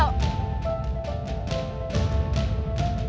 สองสอง